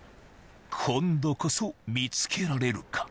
今度こそ見つけられるか？